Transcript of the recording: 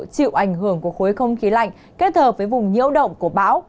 chịu ảnh hưởng của khối không khí lạnh kết hợp với vùng nhiễu động của bão